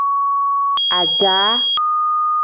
Ajaa.